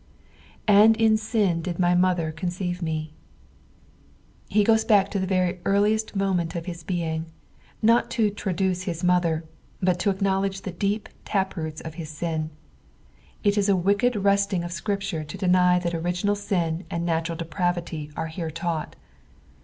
"And ia tin did my mother ecneeive me." He goes baek to the earliest moment of his being, not to traduce his mother, but to acknowledge the deep tap roots of his sin. It is a wicked wresting of Scripture to deny that original sin and natural depravity are hero taught.